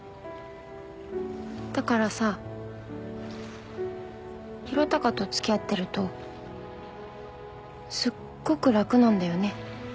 だからさ宏嵩と付き合ってるとすっごく楽なんだよね。